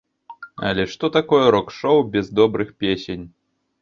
Але што такое рок-шоу без добрых песень?